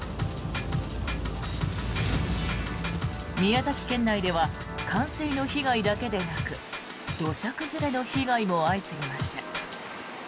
宮崎県内では冠水の被害だけでなく土砂崩れの被害も相次ぎました。